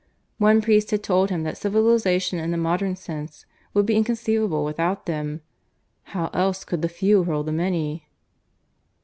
One priest had told him that civilization in the modern sense would be inconceivable without them. How else could the few rule the many?